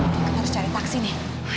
tetap harus cari taksi nih